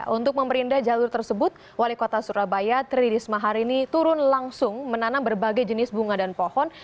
untuk memberindah jalur tersebut wali kota surabaya tri risma hari ini turun langsung menanam berbagai jenis bunga dan pohon